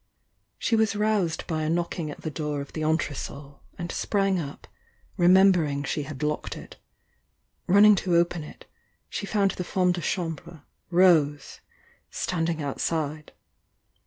She was roused by a kr dng at the door of the entresol, and sprang up, rex jmbering she had locked it. Running to open it, she found the femme de chambre, Rose, standing outside.